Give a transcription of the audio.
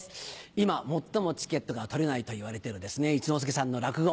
今最もチケットが取れないといわれてる一之輔さんの落語。